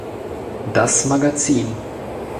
Das Magazin".